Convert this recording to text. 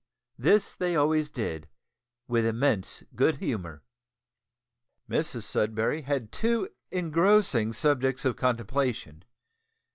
This they always did, with immense good humour. Mrs Sudberry had two engrossing subjects of contemplation.